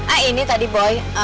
ah ini tadi boy